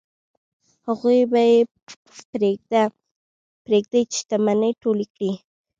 هغوی به یې پرېږدي چې شتمنۍ ټولې کړي.